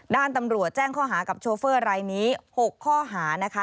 ด้านตำรวจแจ้งข้อหากับโชเฟอร์รายนี้๖ข้อหานะคะ